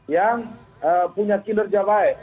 yang punya kinerja baik